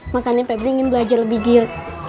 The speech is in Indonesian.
makanya febri ingin belajar lebih gil